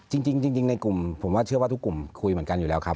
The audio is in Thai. จริงในกลุ่มผมว่าเชื่อว่าทุกกลุ่มคุยเหมือนกันอยู่แล้วครับ